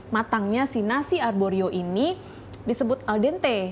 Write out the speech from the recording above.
matangnya si nasi arborio ini disebut al dente